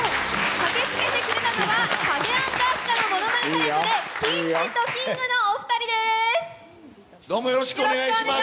駆けつけてくれたのは、ＣＨＡＧＥａｎｄＡＳＫＡのものまねタレントでキンジとキングのどうもよろしくお願いします